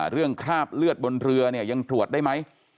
คราบเลือดบนเรือเนี่ยยังตรวจได้ไหม